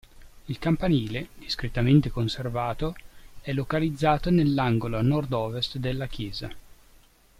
Il campanile, discretamente conservato, è localizzato nell’angolo a Nord-Ovest della chiesa.